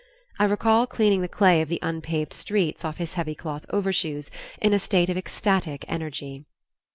I recall cleaning the clay of the unpaved streets off his heavy cloth overshoes in a state of ecstatic energy.